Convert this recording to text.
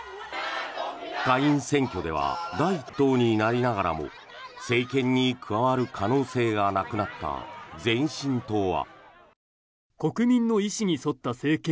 下院選挙では第１党になりながらも政権に加わる可能性がなくなった前進党は。